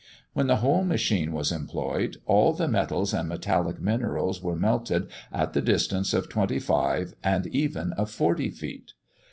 When the whole machine was employed, all the metals and metallic minerals were melted at the distance of twenty five and even of forty feet.